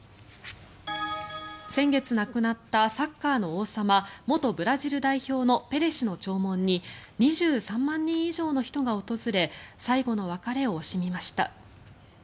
先月亡くなったサッカーの王様元ブラジル代表のペレ氏の弔問に２３万人以上の人が訪れ最後の別れを惜しみました。